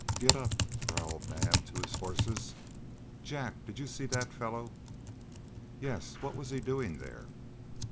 "Getup," growled Naab to his horses. "Jack, did you see that fellow?" "Yes. What was he doing there?"